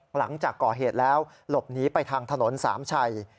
หลังจากก่อเหตุแล้วหลบหนีไปทางถนนสามชัย